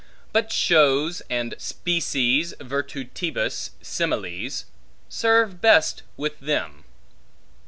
But shows, and species virtutibus similes, serve best with them.